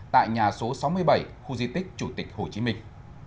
tại nhà số sáu mươi bảy khu di tích chủ tịch hồ chí minh